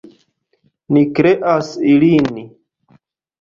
Ni kreas ilin!